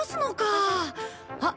あっ！